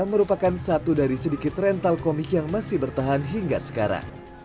merupakan satu dari sedikit rental komik yang masih bertahan hingga sekarang